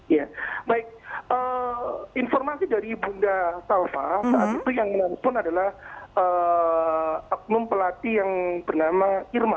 ya baik informasi dari bunda salva saat itu yang menelpon adalah oknum pelatih yang bernama irma